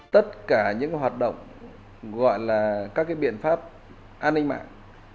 tất cả những hoạt động gọi là các biện pháp an ninh mạng